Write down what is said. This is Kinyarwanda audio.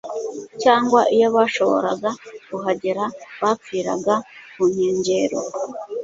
cyangwa iyo bashoboraga kuhagera, bapfiraga ku nkengero.